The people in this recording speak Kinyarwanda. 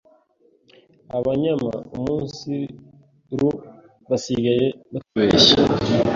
abanyamaumunsiru basigaye batubeshya